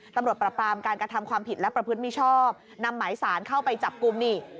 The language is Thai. ปรับปรามการกระทำความผิดและประพฤติมิชอบนำหมายสารเข้าไปจับกลุ่มนี่